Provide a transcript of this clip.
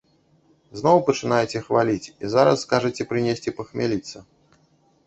Зноў пачынаеце хваліць і зараз скажаце прынесці пахмяліцца.